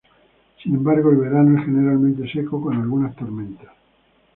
Sin embargo, el verano es generalmente seco con algunas tormentas.